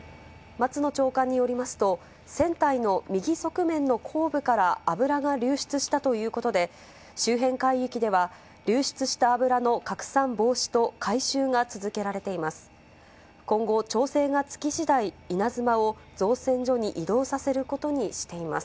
松野長官によりますと、船体の右側面の後部から油が流出したということで、周辺海域では、流出した油の拡散防止と回収が続けられています。